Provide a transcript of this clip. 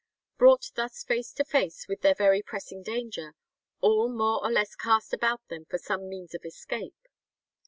Brought thus face to face with their very pressing danger, all more or less cast about them for some means of escape.